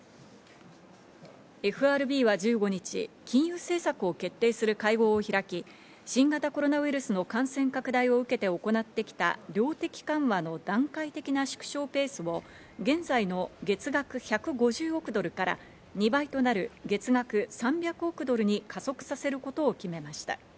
ＦＲＢは１５日、金融政策を決定する会合を開き、新型コロナウイルスの感染拡大を受けて行ってきた量的緩和の段階的な縮小ペースを現在の月額１５０億ドルから２倍となる月額３００億ドルに加速させることを決めました。